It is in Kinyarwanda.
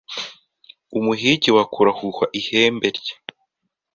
Umuhigi wa kure ahuha ihembe rye